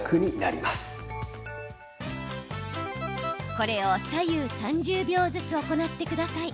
これを左右３０秒ずつ行ってください。